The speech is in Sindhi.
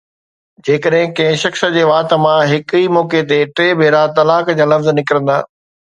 جيڪڏهن ڪنهن شخص جي وات مان هڪ ئي موقعي تي ٽي ڀيرا طلاق جا لفظ نڪرندا